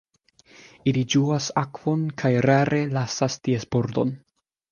Ili ĝuas akvon kaj rare lasas ties bordon.